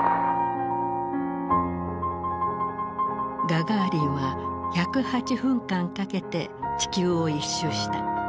ガガーリンは１０８分間かけて地球を一周した。